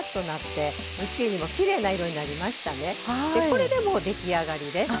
これでもう出来上がりです。